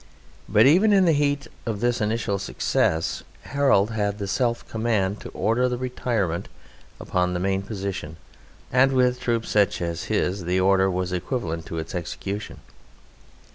But even in the heat of this initial success Harold had the self command to order the retirement upon the main position: and with troops such as his the order was equivalent to its execution.